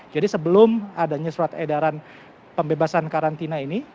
jadi sebelum adanya surat edaran pembebasan karantina ini